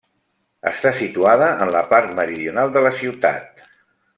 Està situada en la part meridional de la ciutat.